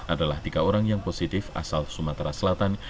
adalah tiga orang yang positif asal sumatera selatan